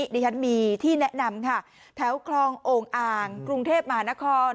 ดิฉันมีที่แนะนำค่ะแถวคลองโอ่งอ่างกรุงเทพมหานคร